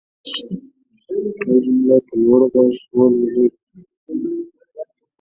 د دې لارښود په میلیونونو نسخې پلورل شوي دي.